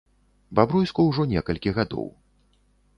Бабруйску ўжо некалькі гадоў.